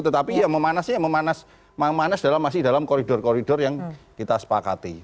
tetapi ya memanasnya memanas memanas dalam masih dalam koridor koridor yang kita sepakati